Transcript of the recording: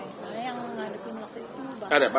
karena yang mengalami waktu itu